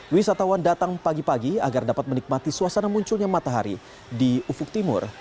wisatawan datang pagi pagi agar dapat menikmati suasana munculnya matahari di ufuk timur